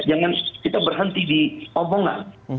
jangan kita berhenti di omongan